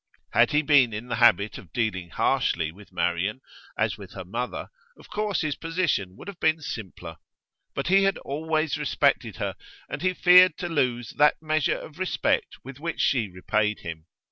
Had he been in the habit of dealing harshly with Marian, as with her mother, of course his position would have been simpler. But he had always respected her, and he feared to lose that measure of respect with which she repaid him.